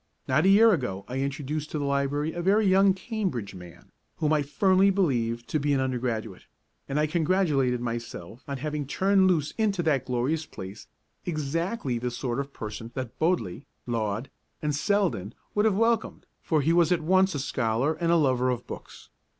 Not a year ago I introduced to the library a very young Cambridge man, whom I firmly believed to be an undergraduate; and I congratulated myself on having turned loose into that glorious place exactly the sort of person that Bodley, Laud, and Selden would have welcomed, for he was at once a scholar and a lover of books.